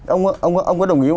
ông có đồng ý không ạ